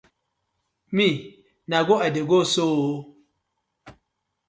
Me na go I dey go so ooo.